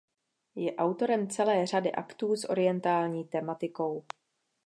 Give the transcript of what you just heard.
Je autorem celé řady aktů s orientální tematikou.